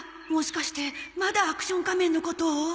もしかしてまだ『アクション仮面』のことを？